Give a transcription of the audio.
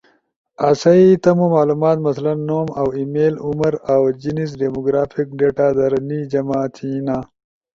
آسئی تمو معلومات مثلاً نوم اؤ ای میل، عمر اؤ جنس ڈیمو گرافک ڈیٹا در نی جمع تھینا،